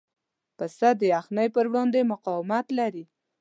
پسه د یخنۍ پر وړاندې مقاومت لري.